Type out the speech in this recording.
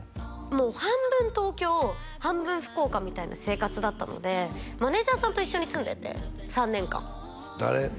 もう半分東京半分福岡みたいな生活だったのでマネージャーさんと一緒に住んでて３年間誰？